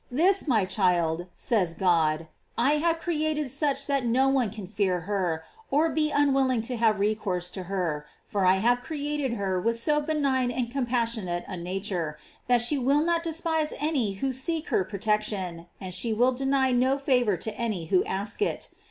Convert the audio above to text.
This my child, says God, I have created such that no one can fear her, or be unwill ing to have recourse to her, for I have created her with so benign and compassionate a nature, that she will not despise any who seek her pro tection, and she will deny no favor to any who ask it.